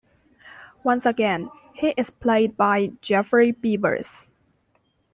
Once again, he is played by Geoffrey Beevers.